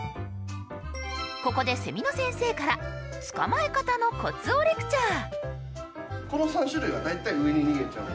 ここでセミの先生から捕まえ方のコツをレクチャー。